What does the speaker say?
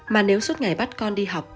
mà nếu suốt ngày bắt con đi học